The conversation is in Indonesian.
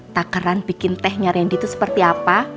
takeran bikin tehnya rendy itu seperti apa